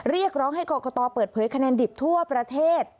เรียกร้องให้กรกตเปิดเผยคะแนนดิบทั่วประเทศ